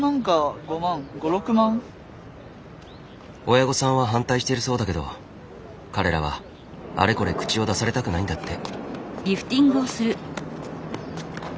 親御さんは反対してるそうだけど彼らはあれこれ口を出されたくないんだって。